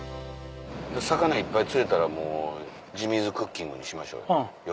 魚いっぱい釣れたらもうジミーズクッキングにしましょう夜。